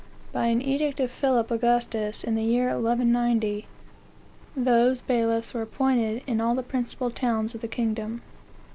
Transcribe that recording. By an edict of Phillip Augustus, in the year 1190, those bailiffs were appointed in all the principal towns of the kingdom."